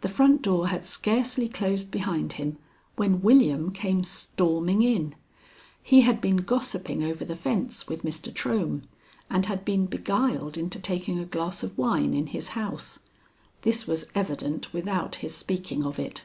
The front door had scarcely closed behind him when William came storming in. He had been gossiping over the fence with Mr. Trohm, and had been beguiled into taking a glass of wine in his house. This was evident without his speaking of it.